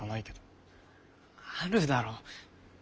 あるだろ。